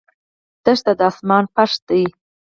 دښته د آسمان فرش دی.